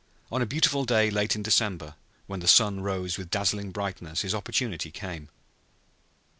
On a beautiful day late in December, when the sun rose with dazzling brightness, his opportunity came.